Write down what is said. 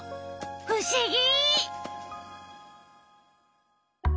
ふしぎ！